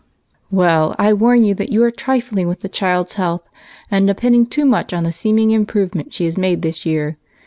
" Well, I warn you that you are trifling with the child's health, and depending too much on the seeming improvement she has made this year.